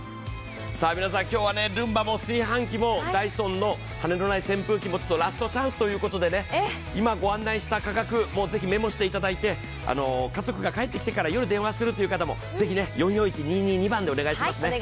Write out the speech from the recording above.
今日は、ルンバも炊飯器もダイソンの羽根のない扇風機もラストチャンスということで今、ご案内した価格、ぜひメモしていただいて家族が帰ってきてから夜電話するという方もお願いしますね。